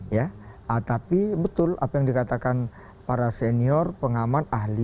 ya tapi betul apa yang dikatakan para senior pengaman ahli